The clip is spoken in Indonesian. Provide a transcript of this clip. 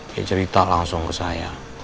dia cerita langsung ke saya